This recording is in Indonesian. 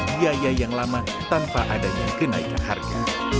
biaya yang lama tanpa adanya kenaikan harga